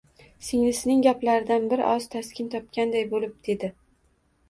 Singlisining gaplaridan bir oz taskin topganday bo`lib, dedi